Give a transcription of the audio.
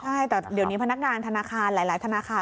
ใช่แต่เดี๋ยวนี้พนักงานธนาคารหลายธนาคาร